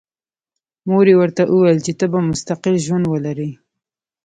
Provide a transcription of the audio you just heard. مور یې ورته وویل چې ته به مستقل ژوند ولرې